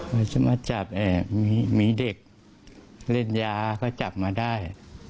ว่าจะมาจับมีเด็กเล่นยาก็จับมาได้